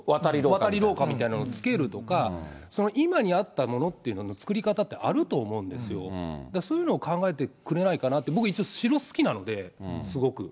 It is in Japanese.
渡り廊下みたいのをつけるとか、今に合ったものというのの作り方っていうのあると思うんですよ、考えてくれないかなって、僕一応、城好きなので、すごく。